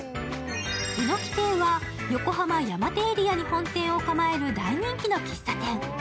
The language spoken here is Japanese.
えの木ていは、横浜山手エリアに本店を構える大人気の喫茶店。